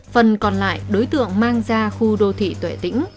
phần còn lại đối tượng mang ra khu đô thị tuệ tĩnh thành phố hải dương